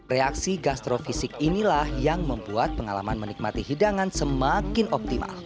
reaksi gastrofisik inilah yang membuat pengalaman menikmati hidangan semakin optimal